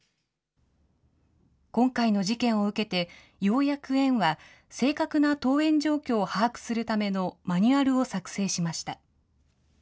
今回の事件を受けて、ようやく園は、正確な登園状況を把握するためのマニュアルを作成しました。